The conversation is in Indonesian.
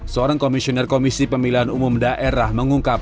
seorang komisioner komisi pemilihan umum daerah mengungkap